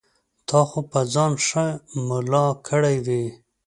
تا خو به ځان ښه ملا کړی وي.